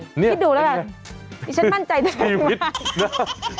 คิดดูแล้วกันดิฉันมั่นใจแดงมาก